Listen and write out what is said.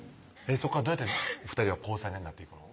そこからどうやって２人は交際になっていくの？